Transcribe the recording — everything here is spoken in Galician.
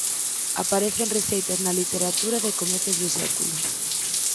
Aparecen receitas na literatura de comezos de século.